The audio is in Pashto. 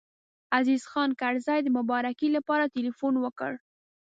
عزیز خان کرزی د مبارکۍ لپاره تیلفون وکړ.